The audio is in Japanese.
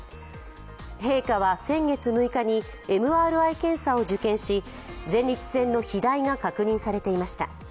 陛下は先月６日にＭＲＩ検査を受検し前立腺の肥大が確認されていました。